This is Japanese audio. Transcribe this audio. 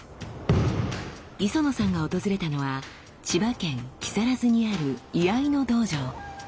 磯野さんが訪れたのは千葉県木更津にある居合の道場。